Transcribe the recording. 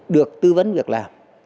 được tư vấn việc làm